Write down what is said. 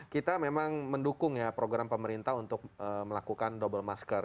kita memang mendukung ya program pemerintah untuk melakukan double masker